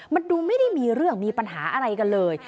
มันดูไม่ได้มีเรื่องมีปัญหาอะไรกันเลย